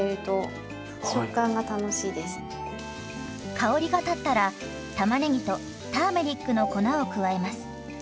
香りが立ったらたまねぎとターメリックの粉を加えます。